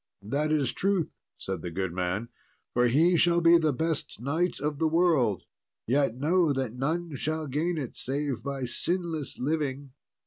"That is truth," said the good man, "for he shall be the best knight of the world; yet know that none shall gain it save by sinless living."